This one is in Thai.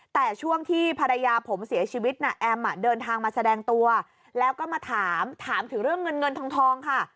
แต่ช่วงที่ภรรยาผมเสียชีวิตน่ะแอมเดินทางมาแสดงตัวแล้วก็มาถามถามถึงเรื่องเงินเงินทองค่ะ